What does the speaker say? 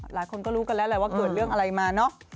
หลายคนก็รู้กันแล้วแหละว่าเกิดเรื่องอะไรมาเนอะ